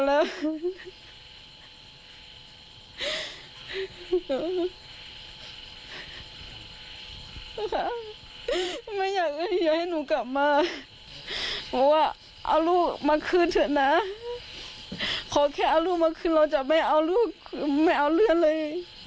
ค่ะไม่อยากให้หนูกลับมาว่าเอาลูกมาคืนเถอะนะขอแค่เอาลูกมาคืนเราจะไม่เอาลูกไม่เอาเลือดเลย